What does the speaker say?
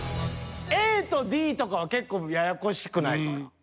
ＡとＤとかは結構ややこしくないですか？